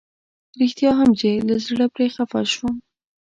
رښتيا هم چې له زړه پرې خفه شوم.